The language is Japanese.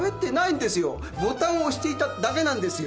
ボタン押していただけなんですよ。